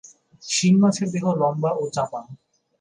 শিং মাছের দেহ লম্বা ও চাপা।